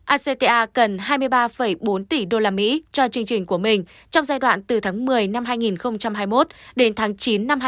acta cần hai mươi ba bốn tỷ usd cho chương trình của mình trong giai đoạn từ tháng một mươi năm hai nghìn hai mươi một đến tháng chín năm hai nghìn hai mươi